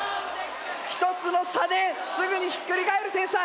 １つの差ですぐにひっくり返る点差！